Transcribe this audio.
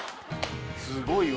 すごいわ。